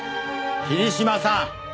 桐島さん！